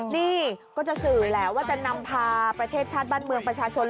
นี่ก็จะสื่อแหละว่าจะนำพาประเทศชาติบ้านเมืองประชาชน